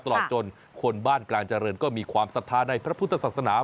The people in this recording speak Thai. ตลอดจนคนบ้านกลางเจริญก็มีความศรัทธาในพระพุทธศาสนา